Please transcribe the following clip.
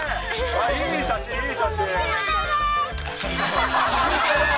いい写真、いい写真。